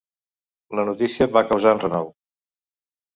La notícia va causar enrenou.